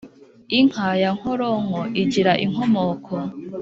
Inka ya nkoronko igira inkomoko